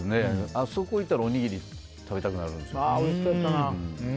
あそこに行ったらおにぎり食べたくなるんですよ。